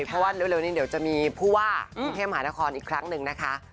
เพราะว่าเร็วนี้เดี๋ยวจะมีผู้ว่ากรุงเทพมหานครอีกครั้งหนึ่งนะคะ